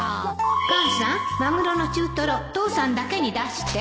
母さんマグロの中トロ父さんだけに出して